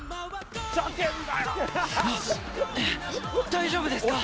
大丈夫ですか？